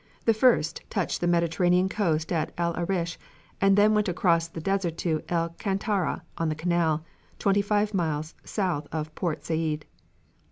The first touched the Mediterranean coast at El Arish and then went across the desert to El Kantara on the Canal, twenty five miles south of Port Said.